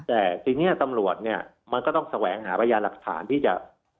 แต่ทีนี้ตำรวจเนี่ยมันก็ต้องแสวงหาพยานหลักฐานที่จะ